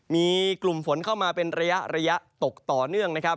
มีกลุ่มฝนเข้ามาเป็นระยะตกต่อเนื่องนะครับ